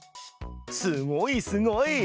すごいすごい！